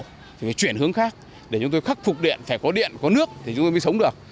thì phải chuyển hướng khác để chúng tôi khắc phục điện phải có điện có nước thì chúng tôi mới sống được